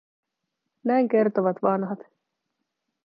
Näin kertovat vanhat.